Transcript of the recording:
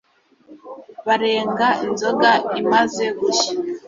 barenga Inzoga imaze gushya